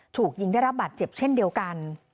ถูกยิงได้รับบาดเจ็บเช่นเดียวกัน